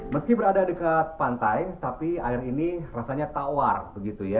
meski berada dekat pantai tapi air ini rasanya tawar begitu ya